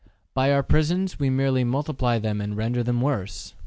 By our prisons, we merely multiply them and render them worse.